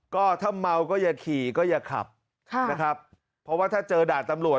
ก็ถ้าเมาก็อย่าขี่ก็อย่าขับค่ะนะครับเพราะว่าถ้าเจอด่านตำรวจ